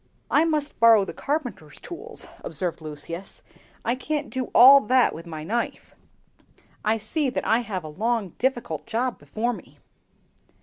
"I must borrow the carpenter's tools," observed Lucius; "I can't do all that with my knife. I see that I have a long, difficult job before me."